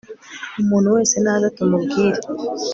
umuntu wese naze tumubwire